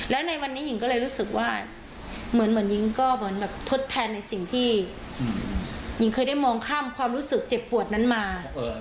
แล้วในวันนี้หญิงก็เลยรู้สึกว่าเหมือนหญิงก็เหมือนแบบทดแทนในสิ่งที่หญิงเคยได้มองข้ามความรู้สึกเจ็บปวดนั้นมา